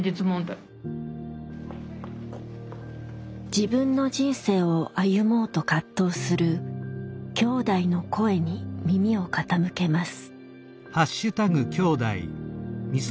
自分の人生を歩もうと葛藤するきょうだいの声に耳を傾けます。